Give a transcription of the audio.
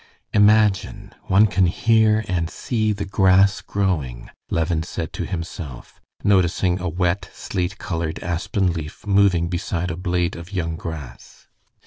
"Imagine! One can hear and see the grass growing!" Levin said to himself, noticing a wet, slate colored aspen leaf moving beside a blade of young grass.